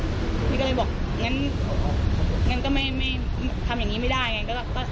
ที่ก็เลยบอกงั้นไม่ทำแบบนี้ไม่ได้